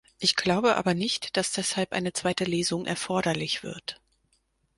Ich glaube aber nicht, dass deshalb eine zweite Lesung erforderlich wird.